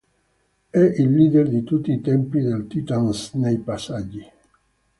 È il leader di tutti i tempi dei Titans nei passaggi.